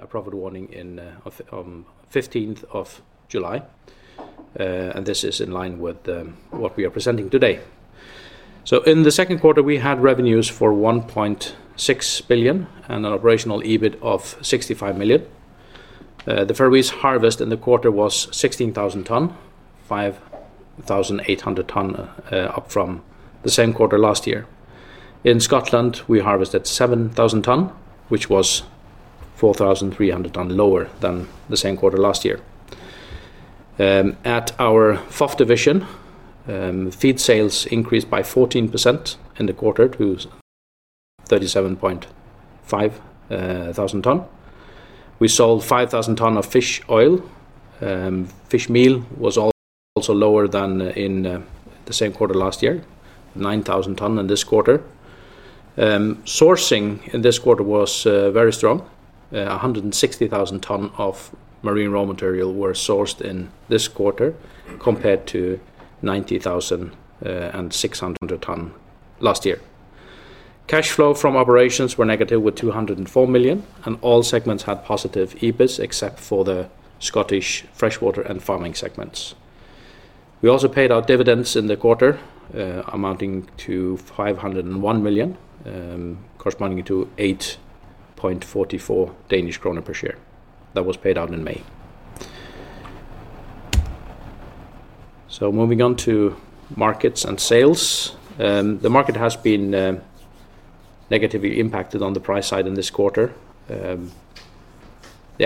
A profit warning on 15th of July and this is in line with what we are presenting today. In the second quarter we had revenues for 1.6 billion and an operational EBIT of 65 million. The Faroe Islands' harvest in the quarter was 16,000 tonnes, 5,800 tonnes up from the same quarter last year. In Scotland we harvested 7,000 tonnes, which was 4,300 tonnes lower than the same quarter last year. At our P/F division, feed sales increased by 14% in the quarter to 37,500 tonnes. We sold 5,000 tonnes of fish oil. Fishmeal was also lower than in the same quarter last year, 9,000 tonnes in this quarter. Sourcing in this quarter was very strong. 160,000 tonnes of marine raw material were sourced in this quarter compared to 90,600 tonnes last year. Cash flow from operations was negative with 204 million and all segments had positive EBITs except for the Scottish freshwater and farming segments. We also paid out dividends in the quarter amounting to 501 million, corresponding to 8.44 Danish kroner per share. That was paid out in May. Moving on to markets and sales, the market has been negatively impacted on the price side. In this quarter, the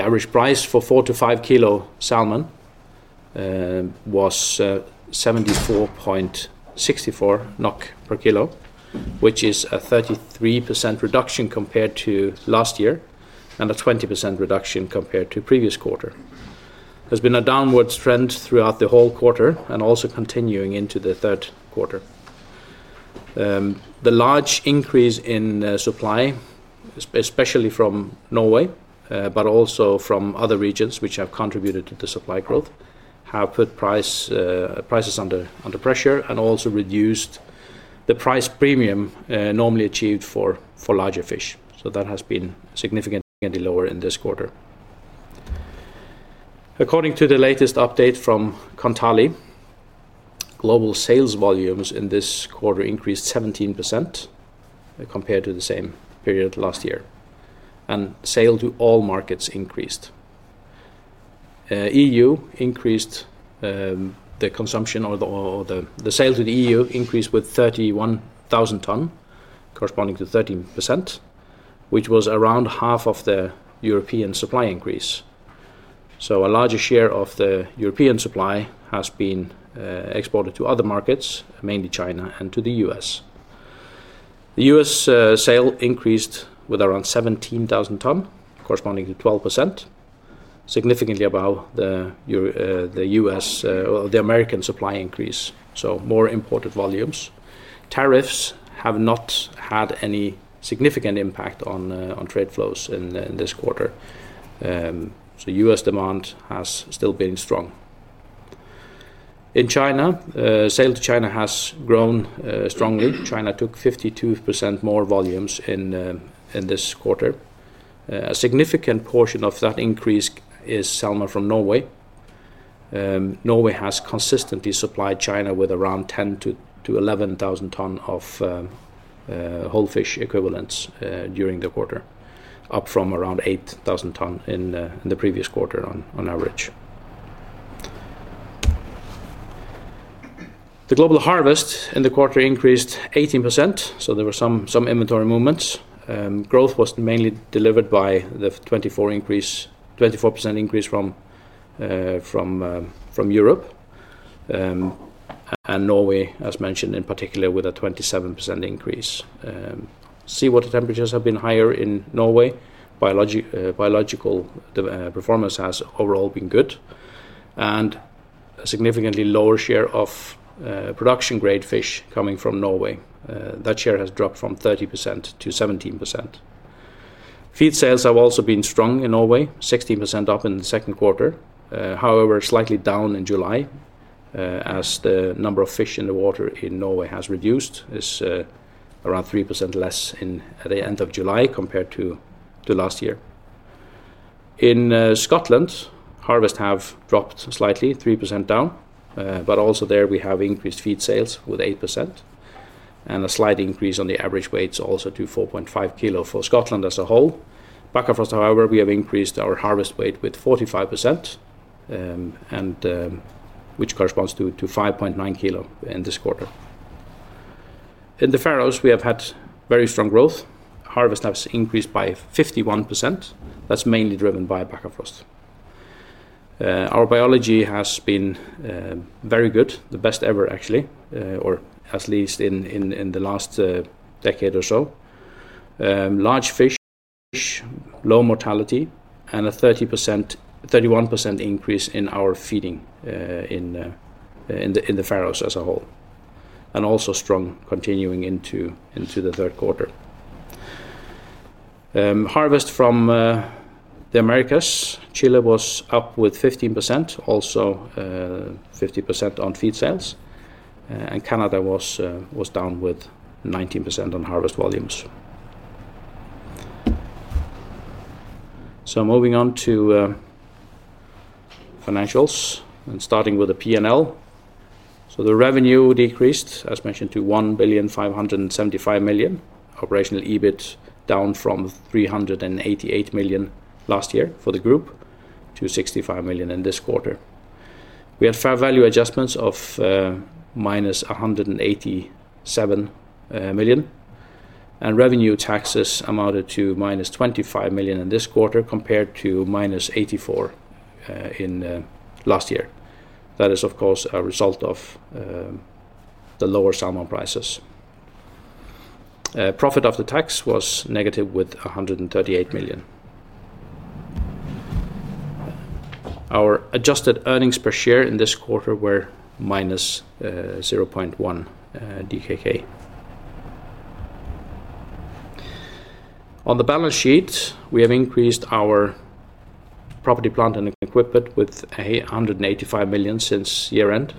average price for 4 kg-5 kg salmon was 74.64 NOK per kg, which is a 33% reduction compared to last year and a 20% reduction compared to previous quarter. There has been a downward trend throughout the whole quarter and also continuing into the third quarter. The large increase in supply, especially from Norway, but also from other regions which have contributed to the supply growth, have put prices under pressure and also reduced the price premium normally achieved for larger fish. That has been significantly lower in this quarter. According to the latest update from Kontali, global sales volumes in this quarter increased 17% compared to the same period last year and sales to all markets increased. EU increased the consumption or the sales of the EU increased with 31,000 tonnes corresponding to 13%, which was around half of the European supply increase. A larger share of the European supply has been exported to other markets, mainly China and to the U.S. The U.S. sale increased with around 17,000 tonnes corresponding to 12%, significantly above the American supply increase. More imported volumes. Tariffs have not had any significant impact on trade flows in this quarter, so U.S. demand has still been strong. In China, sale to China has grown strongly. China took 52% more volumes in this quarter. A significant portion of that increase is salmon from Norway. Norway has consistently supplied China with around 10,000 tonnes-11,000 tonnes of whole fish equivalents during the quarter, up from around 8,000 tonnes in the previous quarter. On average, the global harvest in the quarter increased 18% so there were some inventory movements. Growth was mainly delivered by the 24% increase. Europe. Norway as mentioned in particular with a 27% increase. Seawater temperatures have been higher in Norway. Biological performance has overall been good and a significantly lower share of production grade fish coming from Norway. That share has dropped from 30% to 17%. Feed sales have also been strong in Norway, 16% up in the second quarter. However, slightly down in July as the number of fish in the water in Norway has reduced, is around 3% less at the end of July compared to last year. In Scotland, harvests have dropped slightly, 3% down, but also there we have increased feed sales with 8% and a slight increase on the average fish weights also to 4.5 kg for Scotland as a whole. Bakkafrost, however, we have increased our harvest weight with 45% which corresponds to 5.9 kg in this quarter. In the Faroe Islands, we have had very strong growth. Harvest has increased by 51%. That's mainly driven by Bakkafrost. Our biology has been very good, the best ever actually or at least in the last decade or so. Large fish, low mortality, and a 31% increase in our feeding in the Faroe Islands as a whole and also strong, continuing into the third quarter. Harvest from the Americas, Chile was up with 15%, also 50% on feed sales, and Canada was down with 19% on harvest volumes. Moving on to financials and starting with the P&L, the revenue decreased as mentioned to 1,575,000,000. Operational EBIT down from 388,000,000 last year for the group to 65,000,000 in this quarter. We had fair value adjustments of minus 187,000,000 and revenue taxes amounted to minus 25,000,000 in this quarter compared to -84,000,000 last year. That is of course a result of the lower salmon prices. Profit after tax was with -138,000,000. Our adjusted earnings per share in this quarter were -0.1 DKK. On the balance sheet, we have increased our property, plant and equipment with 185,000,000 since year end.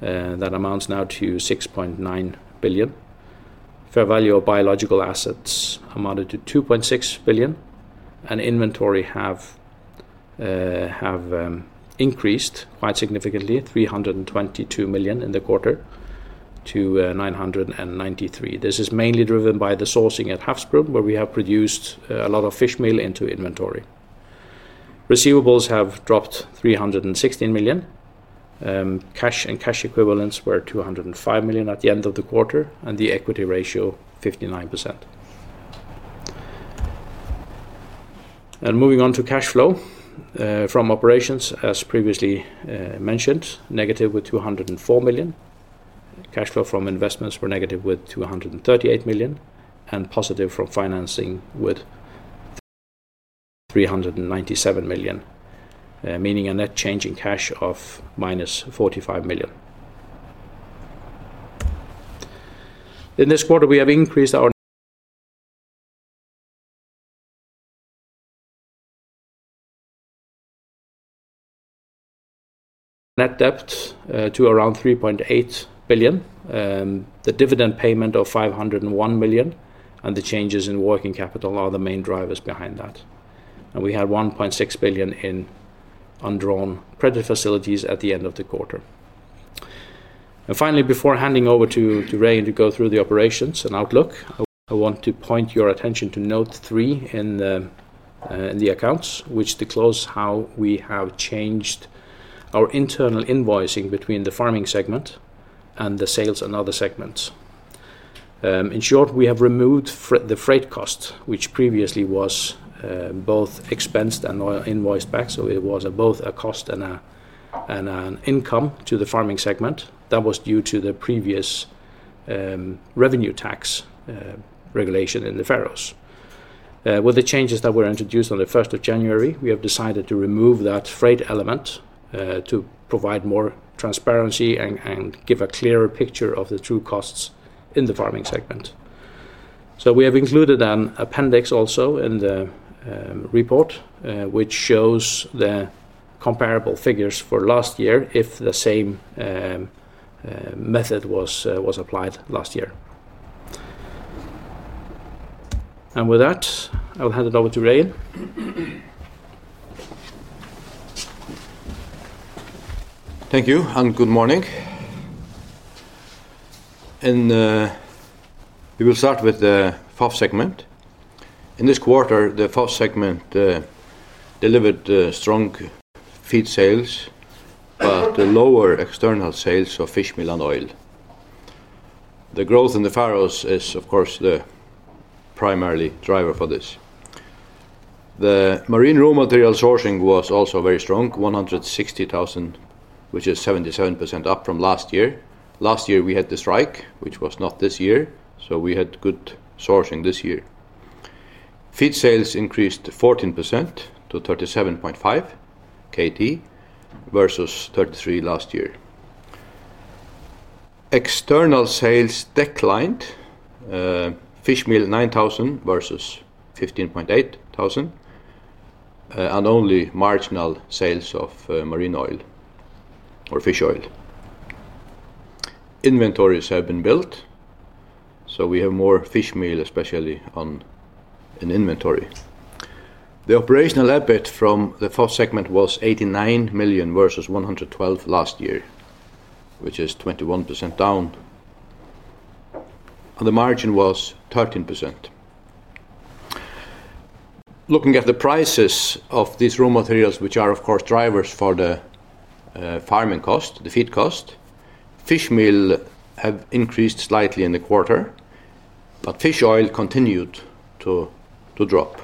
That amounts now to 6.9 billion. Fair value of biological assets amounted to 2.6 billion and inventory have increased quite significantly, 322,000,000 in the quarter to 993,000,000. This is mainly driven by the sourcing at Hafsbro where we have produced a lot of fishmeal inventory. Receivables have dropped 316,000,000. Cash and cash equivalents were 205,000,000 at the end of the quarter and the equity ratio 59%. Moving on to cash flow from operations as previously mentioned, with -204,000,000. Cash flow from investments were with -238 million and positive from financing with 397 million, meaning a net change in cash of -45 million. In this quarter we have increased our net debt to around 3.8 billion. The dividend payment of 501 million and the changes in working capital are the main drivers behind that. We had 1.6 billion in undrawn credit facilities at the end of the quarter. Finally, before handing over to Regin to go through the operations and outlook, I want to point your attention to Note 3 in the Accounts which declares how we have changed our internal invoicing between the farming segment and the sales and other segments. In short, we have removed the freight cost which previously was both expensed and invoiced back. It was both a cost and an income to the farming segment. That was due to the previous revenue tax regulation in the Faroe Islands. With the changes that were introduced on the 1st of January, we have decided to remove that freight element to provide more transparency and give a clearer picture of the true costs in the farming segment. We have included an appendix also in the report which shows the comparable figures for last year if the same method was applied last year. With that I'll hand it over to Regin. Thank you and good morning. We will start with the P/F segment. In this quarter the P/F segment delivered strong feed sales but lower external sales of fishmeal and fish oil. The growth in the Faroes is of course the primary driver for this. The marine raw material sourcing was also very strong, 160,000, which is 77% up from last year. Last year we had the strike, which was not this year. We had good sourcing. This year feed sales increased 14% to 37.5 kt versus 33 kt last year. External sales declined, fishmeal 9,000 versus 15,800, and only marginal sales of marine oil or fish oil. Inventories have been built, so we have more fishmeal, especially on inventory. The operational EBIT from the P/F segment was $89 million versus $112 million last year, which is 21% down, and the margin was 13%. Looking at the prices of these raw materials, which are of course drivers for the farming cost, the feed cost, fishmeal has increased slightly in the quarter, but fish oil continued to drop.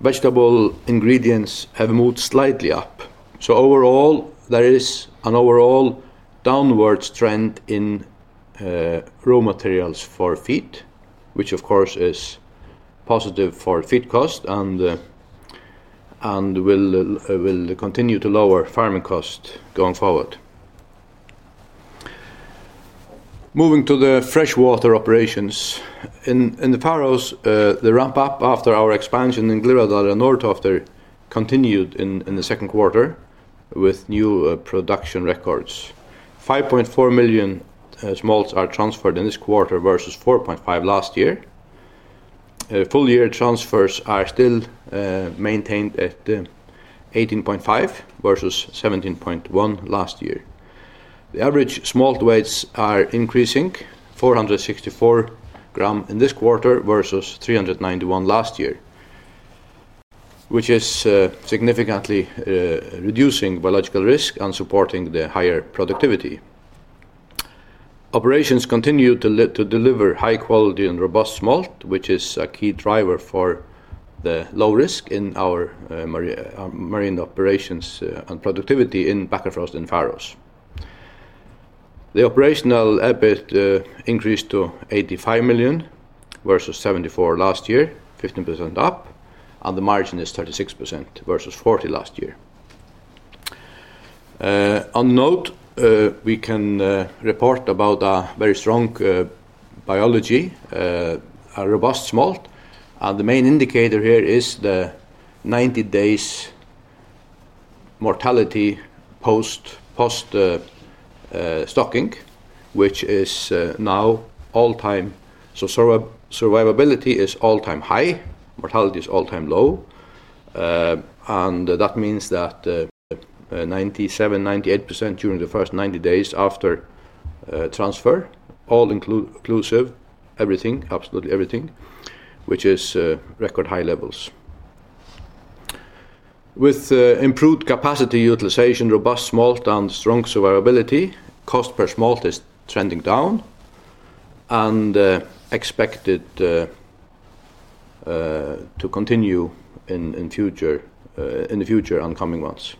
Vegetable ingredients have moved slightly up. Overall, there is an overall downwards trend in raw materials for feed, which of course is positive for feed cost and will continue to lower farming cost going forward. Moving to the freshwater operations in the Faroes, the ramp-up after our expansion in Glydala North continued in the second quarter with new production records. 5.4 million smolt are transferred in this quarter versus 4.5 last year. Full year transfers are still maintained at 18.5 versus 17.1 last year. The average smolt weights are increasing, 464 gram in this quarter versus 391 gram last year, which is significantly reducing biological risk and supporting the higher productivity. Operations continue to deliver high quality and robust smolt, which is a key driver for the low risk in our marine operations and productivity. In Bakkafrost and Faroes, the operational EBIT increased to $85 million versus $74 million last year, 15% up, and the margin is 36% versus 40% last year. On note, we can report about a very strong biology, a robust smolt, and the main indicator here is the 90 days mortality post stocking, which is now all time. Survivability is all time high, mortality is all time low, and that means that 97%-98% during the first 90 days after transfer, all inclusive, everything, absolutely everything, which is record high levels with improved capacity utilization, robust smolt, and strong survivability. Cost per smolt is trending down and expected to continue in the future in coming months.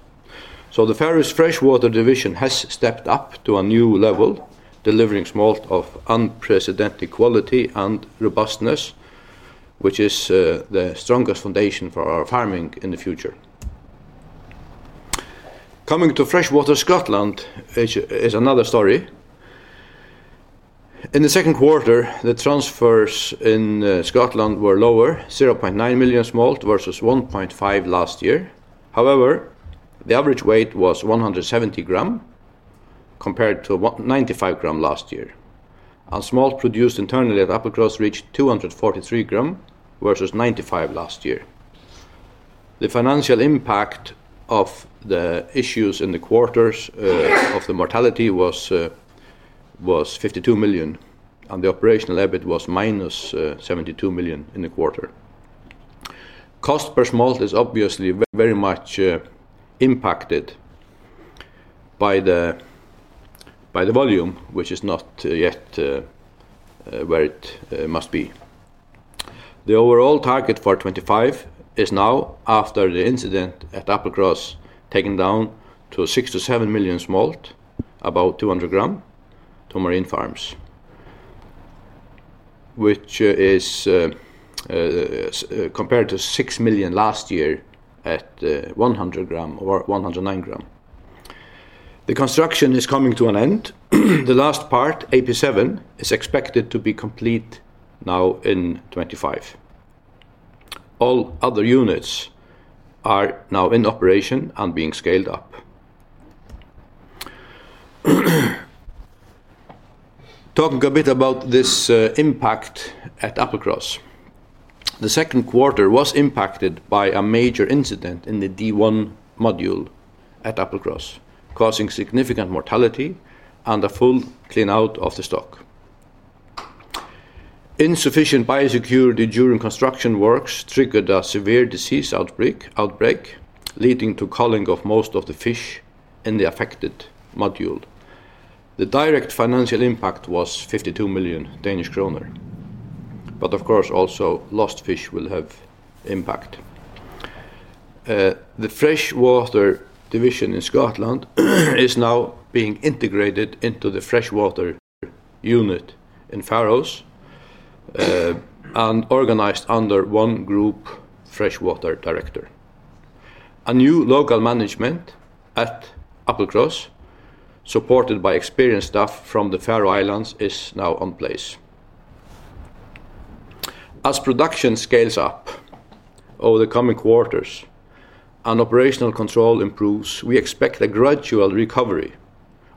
The Faroese freshwater division has stepped up to a new level, delivering smolt of unprecedented quality and robustness, which is the strongest foundation for our farming in the future. Coming to freshwater, Scotland is another story. In the second quarter, the transfers in Scotland were lower: 0.9 million smolt versus 1.5 smolt million last year. However, the average weight was 170 grams compared to 95 grams last year, and smolt produced internally at Applecross reached 243 grams versus 95 grams last year. The financial impact of the issues in the quarter from the mortality was 52 million, and the operational EBIT was -72 million in the quarter. Cost per smolt is obviously very much impacted by the volume, which is not yet where it must be. The overall target for 2025 is now, after the incident at Applecross, taken down to 6 million-7 million smolt at about 200 grams to marine farms, which is compared to 6 million last year at 100 grams or 109 grams. The construction is coming to an end; the last part, AP7, is expected to be complete now in 2025. All other units are now in operation and being scaled up. Talking a bit about this impact at Applecross, the second quarter was impacted by a major incident in the D1 module at Applecross, causing significant mortality and a full cleanout of the stock. Insufficient biosecurity during construction works triggered a severe disease outbreak, leading to culling of most of the fish in the affected module. The direct financial impact was 52 million Danish kroner, but of course, also lost fish will have impact. The freshwater division in Scotland is now being integrated into the freshwater unit in the Faroe Islands and organized under one Group Freshwater Director. A new local management at Applecross, supported by experienced staff from the Faroe Islands, is now in place. As production scales up over the coming quarters and operational control improves, we expect a gradual recovery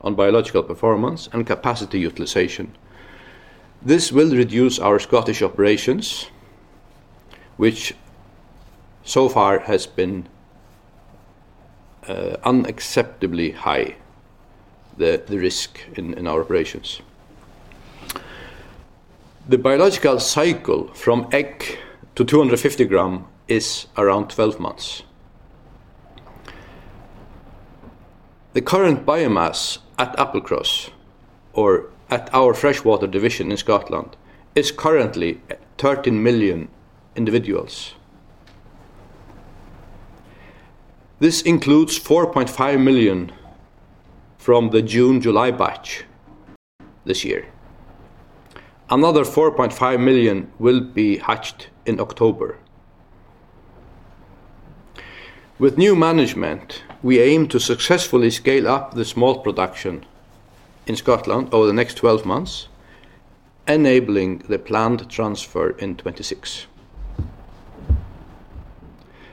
in biological performance and capacity utilization. This will reduce our Scottish operations' risk, which so far has been unacceptably high. The biological cycle from egg to 250 grams is around 12 months. The current biomass at Applecross, or at our freshwater division in Scotland, is currently at 30 million individuals. This includes 4.5 million from the June-July batch this year. Another 4.5 million will be hatched in October. With new management we aim to successfully scale up the smolt production in Scotland over the next 12 months, enabling the planned transfer in 2026.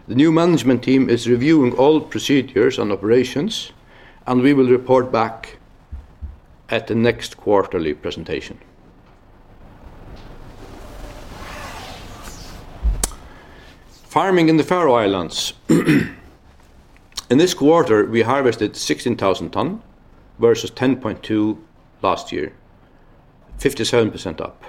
The new management team is reviewing all procedures and operations and we will report back at the next quarterly presentation. Farming in the Faroe Islands in this quarter we harvested 16,000 tonnes versus 10.2 last year, 57% up.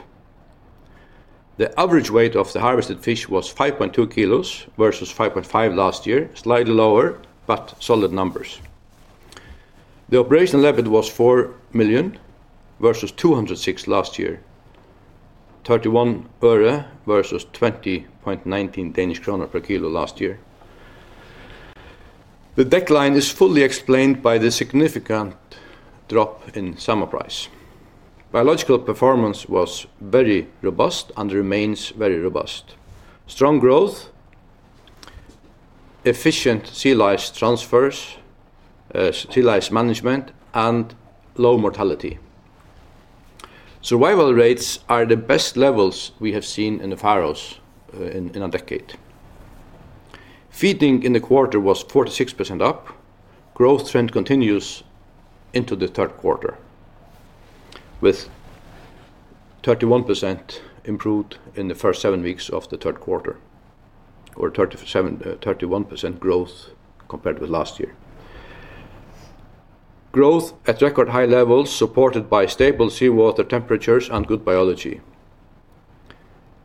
The average weight of the harvested fish was 5.2 kgs versus 5.5 last year, slightly lower but solid numbers. The operational EBIT was 4 million versus 206 million last year, DKK 31 per kg versus 20.19 Danish kroner per kg last year. The decline is fully explained by the significant drop in summer price. Biological performance was very robust and remains very robust. Strong growth, efficient sea lice transfers, sea lice management and low mortality. Survival rates are the best levels we have seen in the Faroes in a decade. Feeding in the quarter was 46% up. Growth trend continues into the third quarter with 31% improved in the first seven weeks of the third quarter or 31% growth compared with last year. Growth at record high levels supported by stable seawater temperatures and good biology.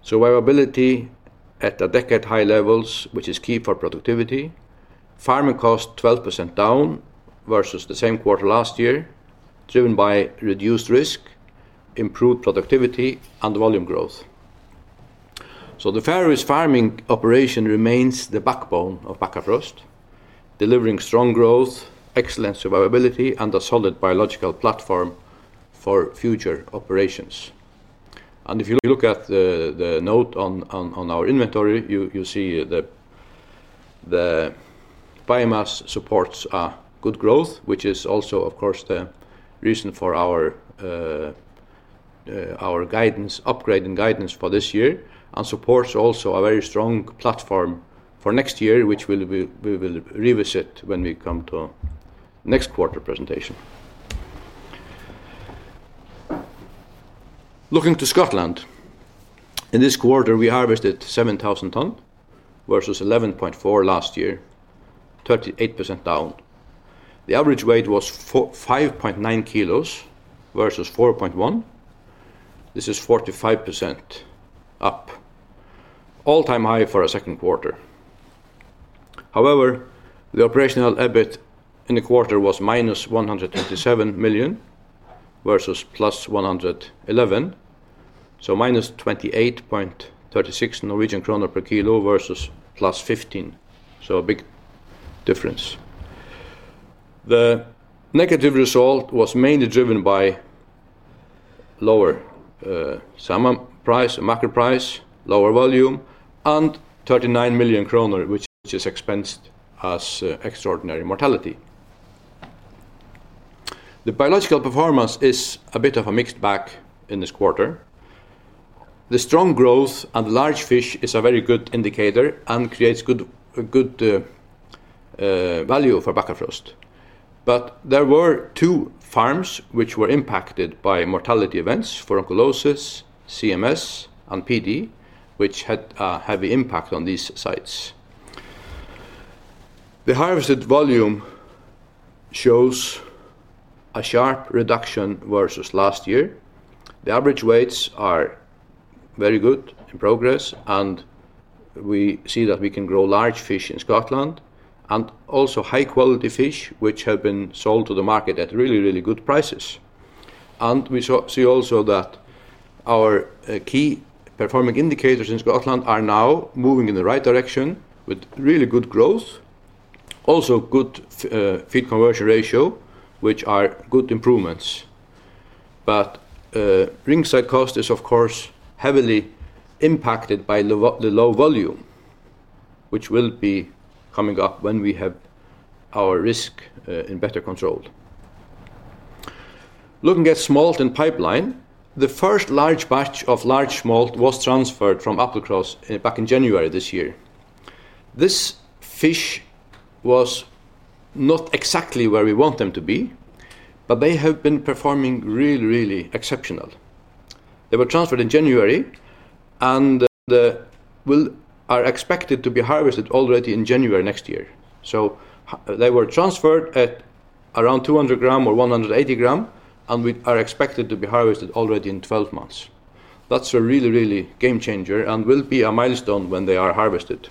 Survivability at the decade high levels which is key for productivity. Farming cost 12% down versus the same quarter last year driven by reduced risk, improved productivity and volume growth. The Faroese farming operation remains the backbone of Bakkafrost, delivering strong growth, excellent survivability and a solid biological platform for future operations. If you look at the note on our inventory you see the biomass supports good growth which is also of course the reason for our guidance, upgrading guidance for this year and supports also a very strong platform for next year which we will revisit when we come to next quarter presentation. Looking to Scotland, in this quarter we harvested 7,000 tonnes versus 11.4 last year, 38% down. The average weight was 5.9 kgs versus 4.1. This is 45% up, all-time high for a second quarter. However, the operational EBIT in the quarter was -127 million versus 111 million, so -28.36 Norwegian kroner per kg versus 15 per kg. A big difference. The negative result was mainly driven by lower salmon price, mackerel price, lower volume and 39 million kroner which is expensed as extraordinary mortality. The biological performance is a bit of a mixed bag in this quarter. The strong growth and large fish is a very good indicator and creates good value for Bakkafrost. There were two farms which were impacted by mortality events for oncolosis, CMS, and PD, which had a heavy impact on these sites. The harvested volume shows a sharp reduction versus last year. The average fish weights are very good in progress, and we see that we can grow large fish in Scotland and also high quality fish, which have been sold to the market at really, really good prices. We see also that our key performing indicators in Scotland are now moving in the right direction with really good growth. Also, good feed conversion ratio, which are good improvements. Ringside cost is of course heavily impacted by the low volume, which will be coming up when we have our risk in better control. Looking at smolt in pipeline, the first large batch of large smolt was transferred from Applecross back in January this year. This fish was not exactly where we want them to be, but they have been performing really, really exceptional. They were transferred in January and are expected to be harvested already in January next year. They were transferred at around 200 gram or 180 gram, and we are expected to be harvested already in 12 months. That's a really, really game changer and will be a milestone when they are harvested.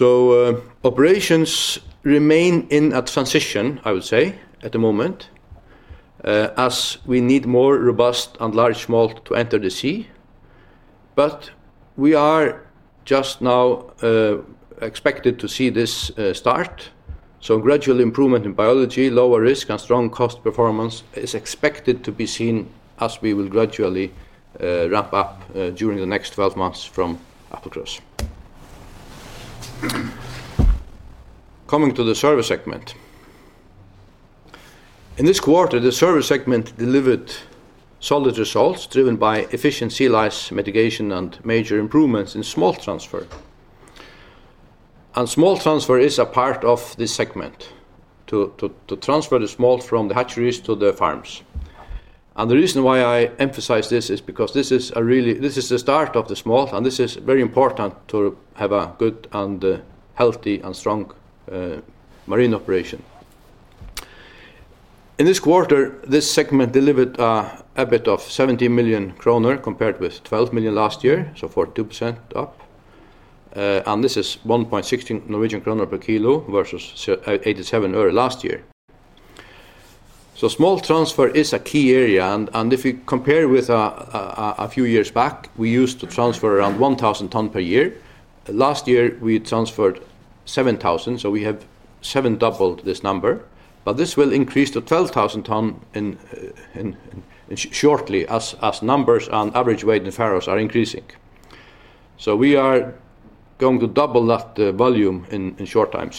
Operations remain in a transition, I would say, at the moment as we need more robust and large smolt to enter the sea. We are just now expected to see this start. Gradual improvement in biology, lower risk, and strong cost performance is expected to be seen as we will gradually ramp up during the next 12 months. Applecross. Coming to the service segment. In this quarter, the service segment delivered solid results driven by efficient sea lice mitigation and major improvements in smolt transfer. Smolt transfer is a part of this segment to transfer the smolt from the hatcheries to the farms. The reason why I emphasize this is because this is really the start of the smolt and this is very important to have a good and healthy and strong marine operation. In this quarter, this segment delivered EBIT of 17 million kroner compared with 12 million last year, so 42% up. This is 1.6 Norwegian kroner per kg versus NOK 0.87 early last year. Smolt transfer is a key area. If you compare with a few years back, we used to transfer around 1,000 tonnes per year. Last year, we transferred 7,000, so we have seven-doubled this number. This will increase to 12,000 tonnes shortly as numbers on average fish weights in the Faroe Islands are increasing. We are going to double that volume in a short time.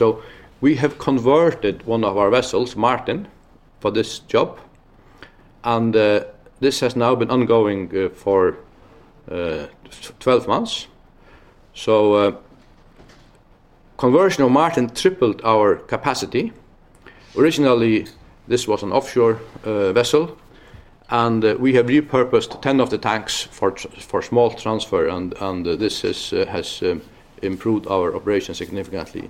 We have converted one of our vessels, Martin, for this job and this has now been ongoing for 12 months. Conversion of Martin tripled our capacity. Originally, this was an offshore vessel and we have repurposed 10 of the tanks for smolt transfer. This has improved our operation significantly.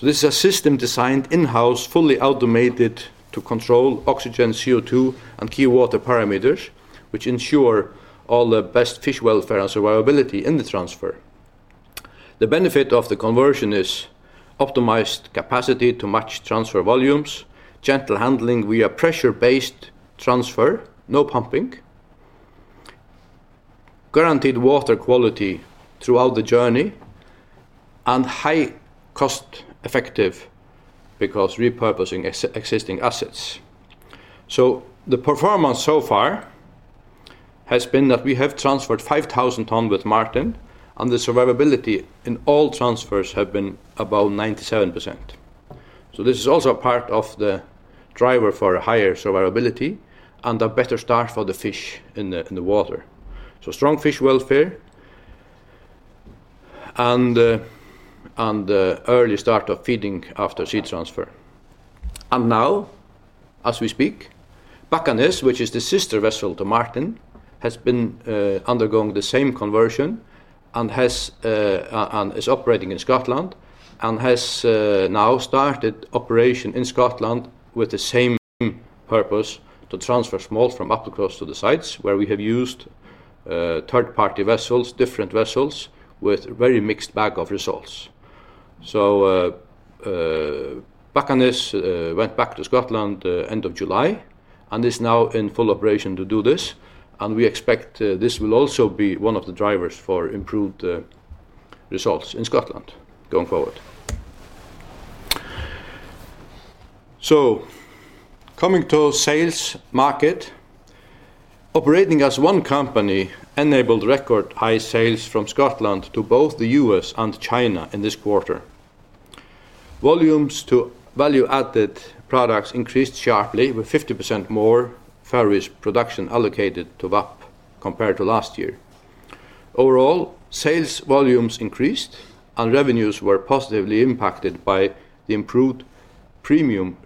This is a system designed in-house, fully automated to control oxygen, CO2, and key water parameters which ensure all the best fish welfare and survivability in the transfer. The benefit of the conversion is optimized capacity to match transfer volumes, gentle handling via pressure-based transfer, no pumping, guaranteed water quality throughout the journey, and high cost-effectiveness because of repurposing existing assets. The performance so far has been that we have transferred 5,000 tonnes with Martin and the survivability in all transfers has been about 97%. This is also part of the driver for higher survivability and a better start for the fish in the water. Strong fish welfare and early start of feeding after sea transfer. Now as we speak, Bacchanes, which is the sister vessel to Martin, has been undergoing the same conversion and is operating in Scotland and has now started operation in Scotland with the same purpose to transfer smolt from Applecross to the sites where we have used third-party vessels, different vessels with a very mixed bag of results. Bacchanes went back to Scotland end of July and is now in full operation to do this. We expect this will also be one of the drivers for improved results in Scotland going forward. Coming to sales market, operating as one company enabled record high sales from Scotland to both the U.S. and China in this quarter. Volumes to value-added products increased sharply with 50% more various production allocated to VAP compared to last year. Overall sales volumes increased, and revenues were positively impacted by the improved premium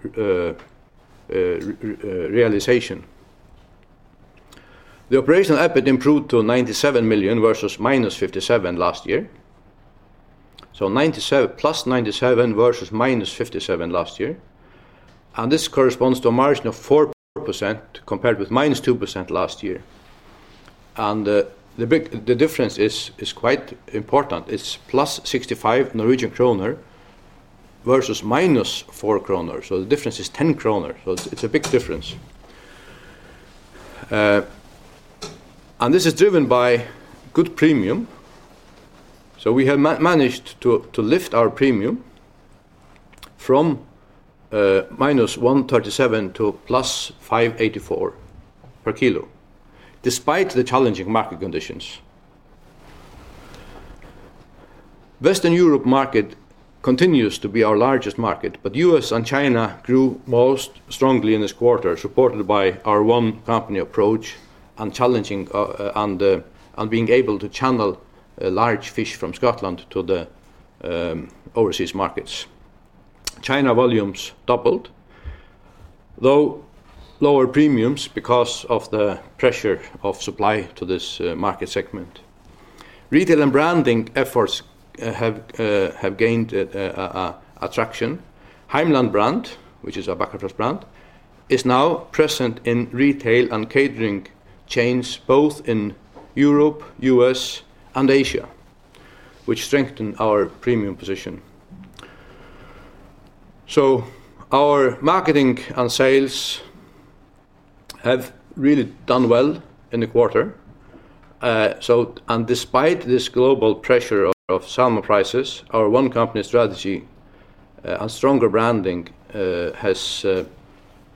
realization. The operational EBIT improved to $97 million versus -$57 million last year. Plus +$97 million versus -$57 million last year. This corresponds to a margin of 4% compared with -2% last year. The difference is quite important. It's +65 Norwegian kroner per kg versus -4 kroner per kg. The difference is 10 kroner per kg. It's a big difference, and this is driven by good premium. We have managed to lift our premium from NOK -1.37 to NOK 5.84 per kg despite the challenging market conditions. Western Europe market continues to be our largest market, but U.S. and China grew most strongly in this quarter, supported by our one company approach and being able to channel large fish from Scotland to the overseas markets. China volumes doubled, though lower premiums because of the pressure of supply to this market segment. Retail and branding efforts have gained attraction. Heimland brand, which is a Bakkafrost brand, is now present in retail and catering chains both in Europe, U.S., and Asia, which strengthen our premium position. Our marketing and sales have really done well in the quarter, and despite this global pressure of salmon prices, our one company strategy and stronger branding has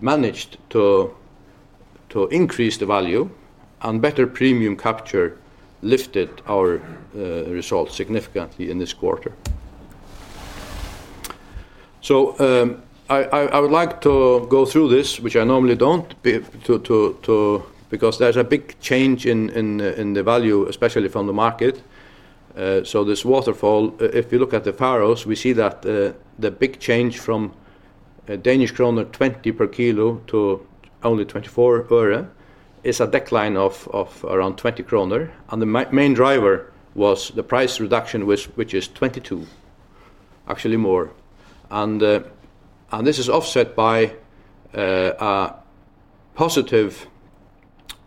managed to increase the value and better premium capture lifted our results significantly in this quarter. I would like to go through this, which I normally don't, because there's a big change in the value, especially from the market. This waterfall, if you look at the Faroes, we see that the big change from Danish kroner 20 per kg to only DKK 24 is a decline of around 20 kroner. The main driver was the price reduction, which is 22 actually more. This is offset by a positive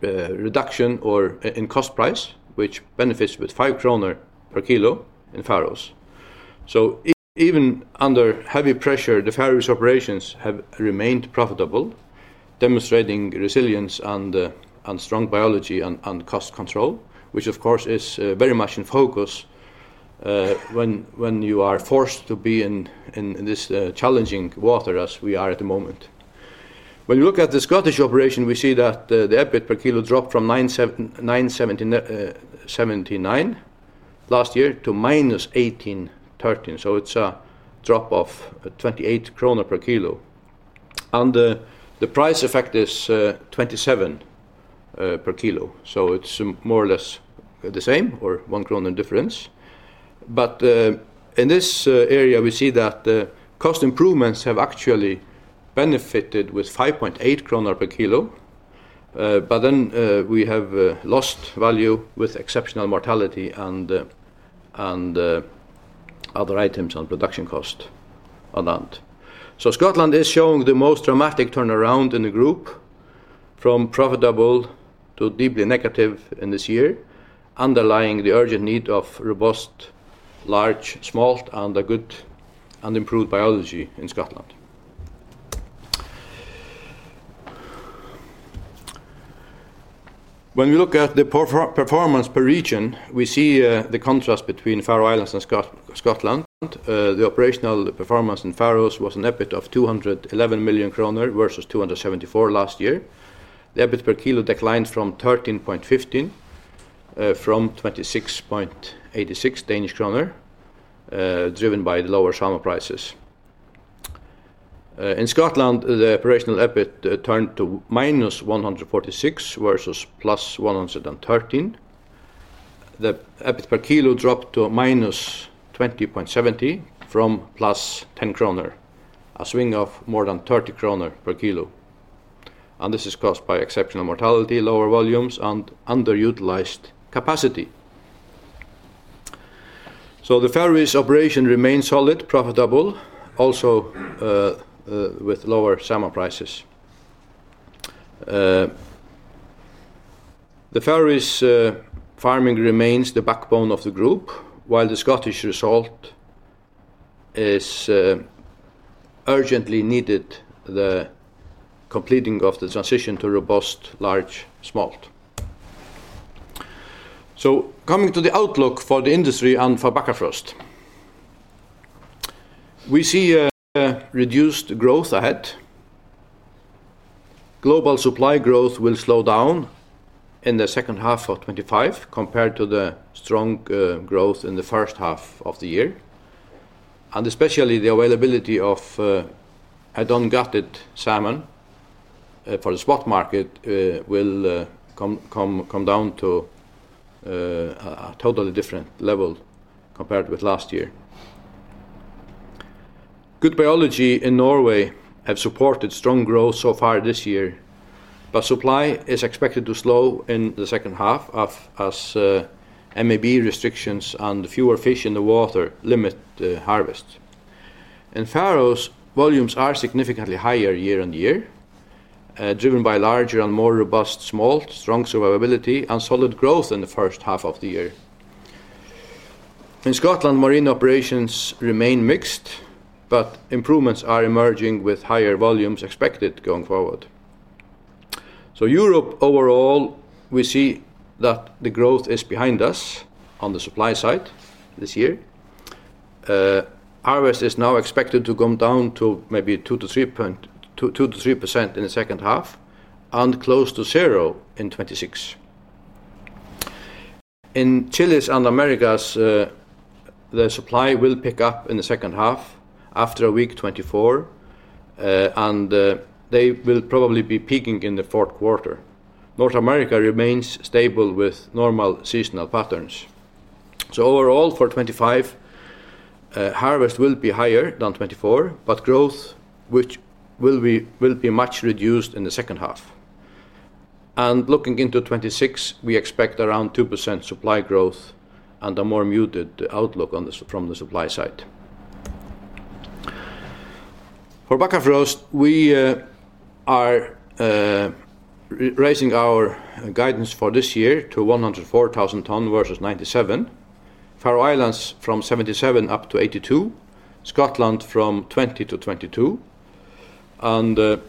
reduction in cost price, which benefits with 5 kroner per kg in Faroes. Even under heavy pressure, the Faroese operations have remained profitable, demonstrating resilience and strong biology and cost control, which of course is very much in focus when you are forced to be in this challenging water, as we are at the moment. When you look at the Scottish operation, we see that the output per kg dropped from 970 last year to -1,813. It's a drop of 28 kroner per kg and the price effect is 27 per kg. It's more or less the same or 1 kroner difference. In this area we see that the cost improvements have actually benefited with 5.8 kroner per kg. Then we have lost value with exceptional mortality and other items on production cost on land. Scotland is showing the most dramatic turnaround in the group from profitable to deeply negative in this year, underlying the urgent need of robust large smolt and good and improved biology in Scotland. When we look at the performance per region, we see the contrast between Faroe Islands and Scotland. The operational performance in Faroes was an EBIT of 211 million kroner versus 274 last year. The EBIT per kg declined from 26.86 Danish kroner to DKK 13.15. Driven by the lower salmon prices in Scotland, the operational EBIT turned to -146 versus +113. The EBIT per kg dropped to -20.70 from +10 kroner, a swing of more than 30 kroner per kg. This is caused by exceptional mortality, lower volumes, and underutilized capacity. The Faroes operation remains solid profitable, also with lower salmon prices. The Faroes farming remains the backbone of the group, while the Scottish result is urgently needing the completing of the transition to robust large smolt. Coming to the outlook for the industry and for Bakkafrost, we see reduced growth ahead. Global supply growth will slow down in 2H 2025 compared to the strong growth in the first half of the year. Especially the availability of ungutted salmon for the spot market will come down to a totally different level compared with last year. Good biology in Norway has supported strong growth so far this year. Supply is expected to slow in the second half as MAB restrictions and fewer fish in the water limit harvest. In Faroes, volumes are significantly higher year on year driven by larger and more robust smolt, strong survivability, and solid growth in the first half of the year. In Scotland, marine operations remain mixed, but improvements are emerging with higher volumes expected going forward. Europe overall, we see that the growth is behind us on the supply side this year. RS is now expected to come down to maybe 2%-3%, 2%-3% in the second half and close to zero in 2026. In Chile's and Americas the supply will pick up in the second half after week 24, and they will probably be peaking in the fourth quarter. North America remains stable with normal seasonal patterns. Overall for 2025, harvest will be higher than 2024, but growth will be much reduced in the second half. Looking into 2026, we expect around 2% supply growth and a more muted outlook from the supply side for Bakkafrost. We are raising our guidance for this year to 104,000 tons versus 97,000 tons. Faroe Islands from 77,000 tons up to 82,000 tons. Scotland from 20,000 tons to 22,000 tons.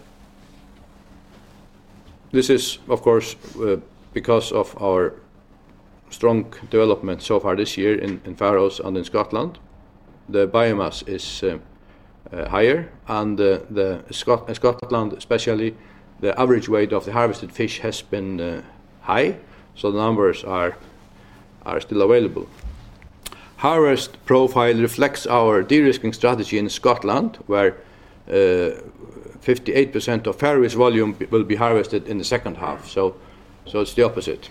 This is of course because of our strong development so far this year. In Faroe Islands and in Scotland, the biomass is higher, and Scotland especially, the average weight of the harvested fish has been high, so the numbers are still available. Harvest profile reflects our de-risking strategy in Scotland, where 58% of Faroe Islands volume will be harvested in the second half. It's the opposite.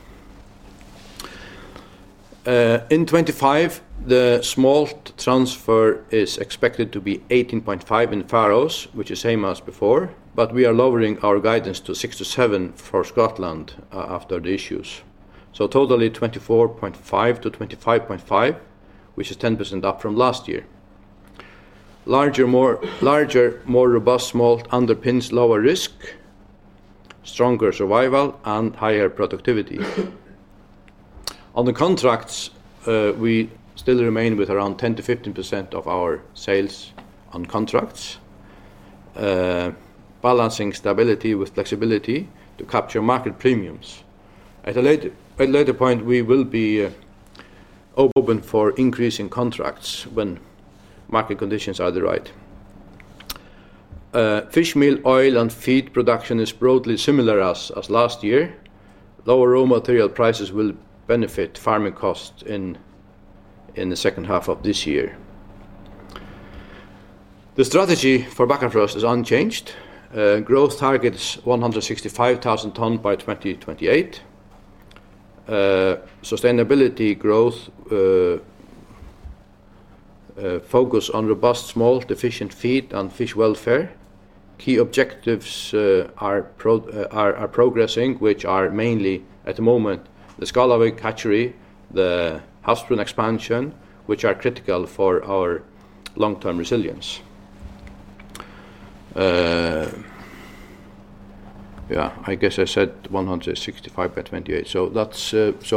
In 2025, the smolt transfer is expected to be 18.5 in Faroe Islands, which is same as before. We are lowering our guidance to 6-7 for Scotland after the issues. Totally 24.5-25.5, which is 10% up from last year. Larger, more robust smolt underpins lower risk, stronger survival, and higher productivity on the contracts. We still remain with around 10%-15% of our sales on contracts, balancing stability with flexibility to capture market premiums. At a later point, we will be open for increasing contracts when market conditions are right. Fishmeal, oil, and feed production is broadly similar as last year. Lower raw material prices will benefit farming costs in the second half of this year. The strategy for Bakkafrost is unchanged. Growth targets 165,000 tons by 2028. Sustainability growth, focus on robust smolt, efficient feed, and fish welfare. Key objectives are progressing, which are mainly at the moment the Skalavik hatchery, the Havsbrún expansion, which are critical for our long-term resilience. I guess I said 165,000 tons by 2028. That's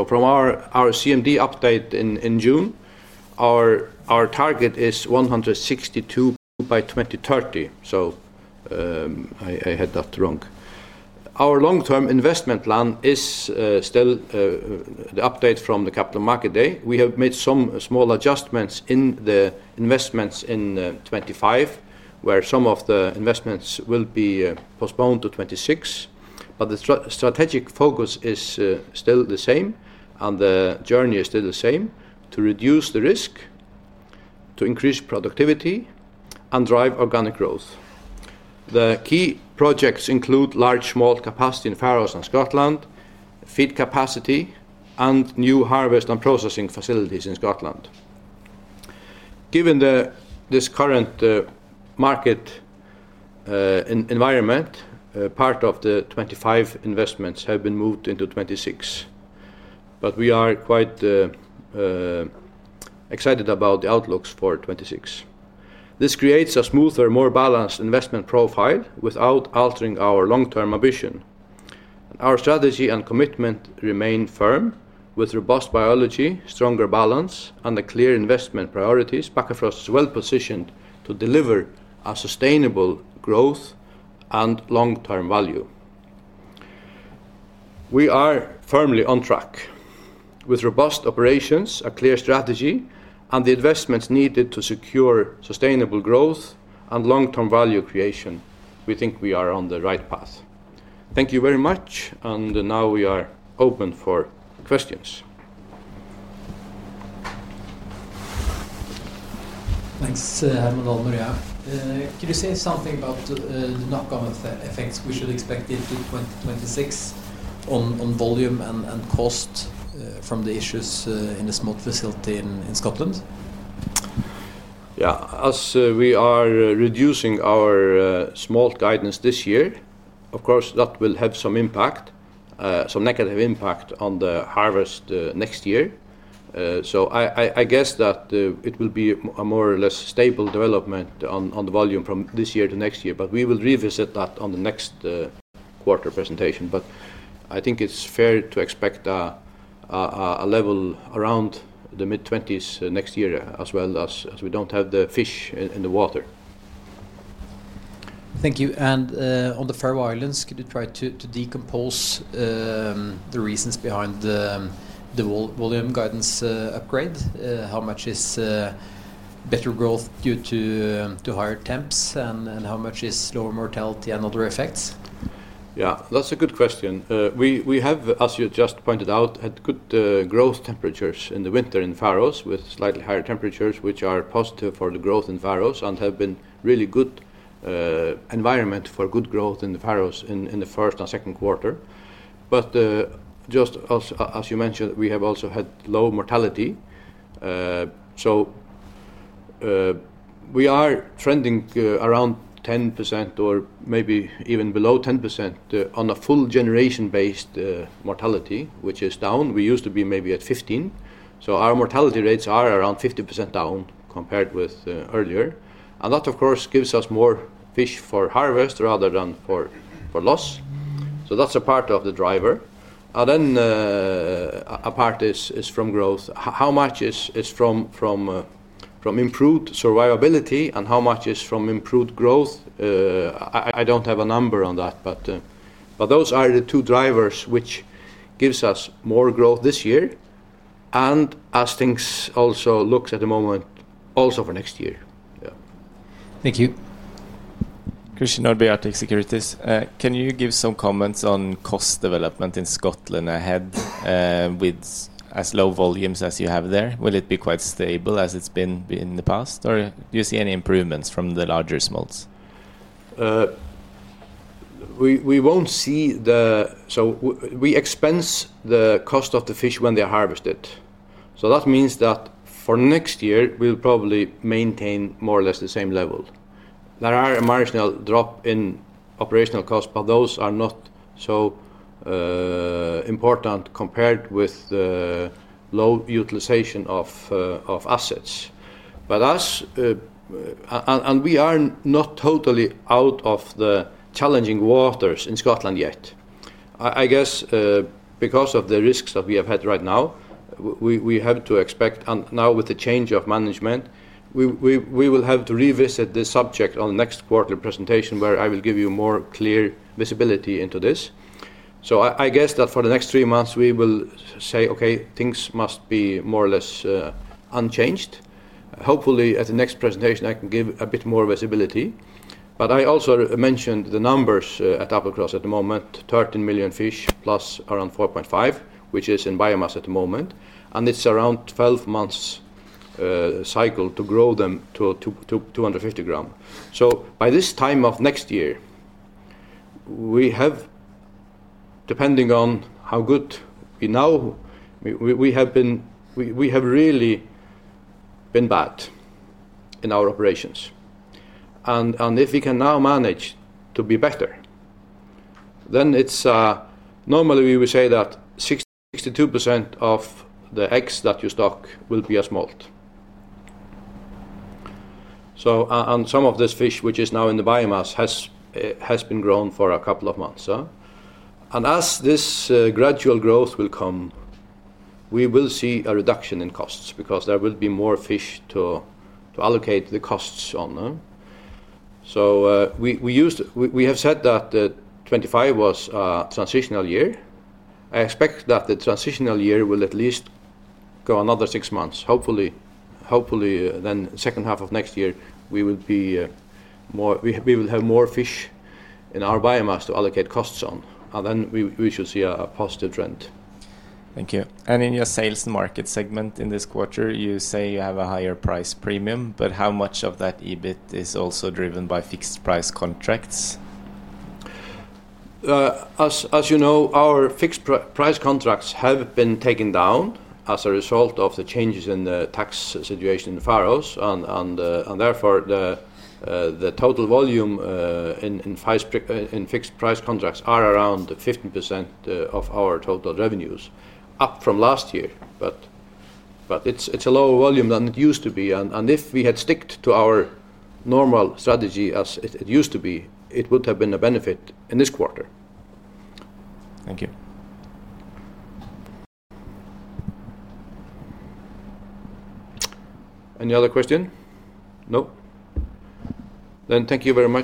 from our CMD update in June. Our target is 162,000 tons by 2030, so I had that wrong. Our long-term investment plan is still the update from the capital market day. We have made some small adjustments in the investments in 2025, where some of the investments will be postponed to 2026. The strategic focus is still the same, and the journey is still the same to reduce the risk, to increase productivity, and drive organic growth. The key projects include large smolt capacity in the Faroe Islands and Scotland, feed capacity, and new harvest and processing facilities in Scotland. Given this current market environment, part of the 2025 investments have been moved into 2026, but we are quite excited about the outlooks for 2026. This creates a smoother, more balanced investment profile without altering our long-term ambition. Our strategy and commitment remain firm. With robust biology, stronger balance, and the clear investment priorities, Bakkafrost is well positioned to deliver sustainable growth and long-term value. We are firmly on track with robust operations, a clear strategy, and the investments needed to secure sustainable growth and long-term value creation. We think we are on the right path. Thank you very much. We are open for questions. Thanks. Could you say something about the knock-on effects we should expect into 2026 on volume and cost from the issues in the smolt facility in Scotland? Yeah, as we are reducing our smolt guidance this year, of course that will have some impact, some negative impact on the harvest next year. I guess that it will be a more or less stable development on the volume from this year to next year. We revisit that on the next quarter presentation. I think it's fair to expect a level around the mid-20s next year as well as we don't have the fish in the water. Thank you. On the Faroe Islands, could you try to decompose the reasons behind the volume guidance upgrade? How much is better growth due to higher temps and how much is lower mortality and other effects? Yeah, that's a good question. We have, as you just pointed out, had good growth temperatures in the winter in the Faroe Islands with slightly higher temperatures, which are positive for the growth in Faroe Islands and have been really good environment for good growth in Faroe Islands in the first and second quarter. Just as you mentioned, we have also had low mortality, so we are trending around 10% or maybe even below 10% on a full generation-based mortality, which is down. We used to be maybe at 15%, so our mortality rates are around 50% down compared with earlier, and that of course gives us more fish for harvest rather than for loss. That's a part of the driver then. A part is from growth. How much is from improved survivability and how much is from improved growth? I don't have a number on that, but those are the two drivers which gives us more growth this year and, as things also look at the moment, also for next year. Thank you. Christian Nordby, Arctic Securities AS, can you give some comments on cost development in Scotland ahead? As low volumes as you have there, will it be quite stable as it's been in the past, or do you see any improvements from the larger smolt. We won't see the. We expense the cost of the fish when they are harvested. That means that for next year we'll probably maintain more or less the same level. There is a marginal drop in operational cost, but those are not so important compared with the low utilization of assets. We are not totally out of the challenging waters in Scotland yet. I guess because of the risks that we have had right now, we have to expect now with the change of management, we will have to revisit this subject on next quarterly presentation where I will give you more clear visibility into this. I guess that for the next three months we will say, okay, things must be more or less unchanged. Hopefully at the next presentation I can give a bit more visibility. I also mentioned the numbers at Applecross at the moment. 13 million fish plus around 4.5 million which is in biomass at the moment and it's around a 12-month cycle to grow them to 250 gram. By this time next year, depending on how good we now, we have really been bad in our operations and if we can now manage to be better, then normally we would say that 62% of the eggs that you stock will be as smolt. Some of this fish which is now in the biomass has been grown for a couple of months and as this gradual growth will come, we will see a reduction in costs because there will be more fish to allocate the costs on. We have said that 2025 was a transitional year. I expect that the transitional year will at least go another six months. Hopefully then, second half of next year, we will have more fish in our biomass to allocate costs on and then we should see a positive trend. Thank you. In your sales and market segment in this quarter, you say you have a higher price premium. How much of that EBIT is also driven by fixed price contracts? As you know, our fixed price contracts have been taken down as a result of the changes in the tax situation in the Faroe Islands, and therefore the total volume in fixed price contracts is around 15% of our total revenues, up from last year. It's a lower volume than it used to be. If we had stuck to our normal strategy as it used to be, it would have been a benefit in this quarter. Thank you. Any other question? No. Thank you very much.